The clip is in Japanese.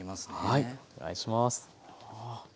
はいお願いします。